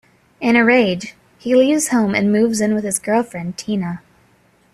In a rage, he leaves home and moves in with his girlfriend Tina.